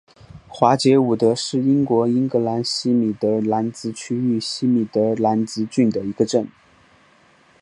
华捷伍德是英国英格兰西米德兰兹区域西米德兰兹郡的一个镇。